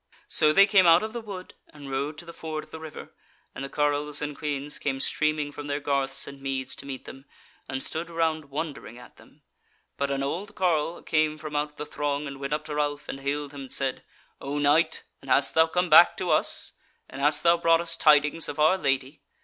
So they came out of the wood, and rode to the ford of the river, and the carles and queans came streaming from their garths and meads to meet them, and stood round wondering at them; but an old carle came from out the throng and went up to Ralph, and hailed him, and said: "Oh, Knight! and hast thou come back to us? and has thou brought us tidings of our Lady?